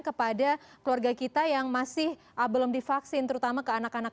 kepada keluarga kita yang masih belum divaksin terutama ke anak anak